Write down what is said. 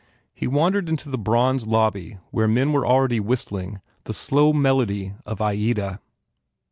He wandered into the bronze lobby where men were already whistling the slow melody of "Vdia."